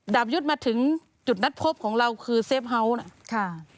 ดาบยุทธ์มาถึงจุดนัดพบของเราคือเซฟเฮาส์นะคะ